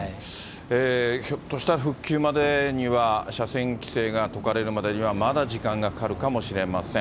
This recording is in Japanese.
ひょっとしたら、復旧までには車線規制が解かれるまでにはまだ時間がかかるかもしれません。